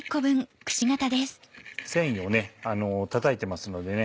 繊維をたたいてますのでね